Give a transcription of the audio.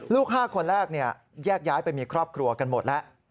๕คนแรกแยกย้ายไปมีครอบครัวกันหมดแล้ว